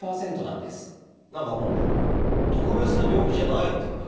何かもう特別な病気じゃないっていうかね